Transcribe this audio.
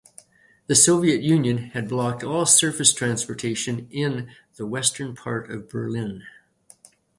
The Soviet Union had blocked all surface transportation in the western part of Berlin.